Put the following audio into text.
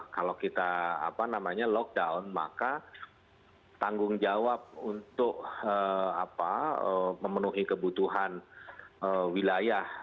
kalau kita apa namanya lockdown maka tanggung jawab untuk apa memenuhi kebutuhan wilayah